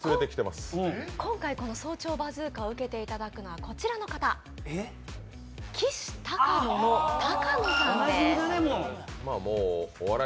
今回、この「早朝バズーカ」を受けていただくのはこちらの方、きしたかのの高野さんです。